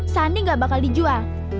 sani gak bakal dijual